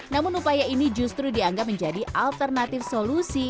namun upaya ini justru dianggap menjadi alternatif solusi